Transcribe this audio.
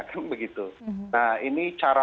nah ini cara pandang yang agak luas